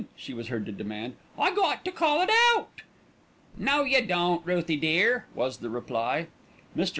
she was heard to demand. "I got to call it out." "No, you don't, Ruthie dear," was the reply. Mr.